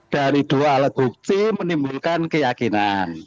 dari dua alat bukti menimbulkan keyakinan